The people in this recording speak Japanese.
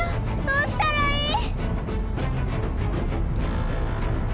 どうしたらいい？